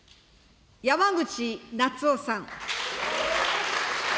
山口那津男さん。